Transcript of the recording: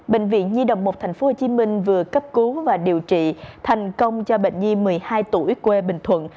bệnh viện nhi đồng một tp hcm vừa cấp cứu và điều trị thành công cho bệnh nhi một mươi hai tuổi quê bình thuận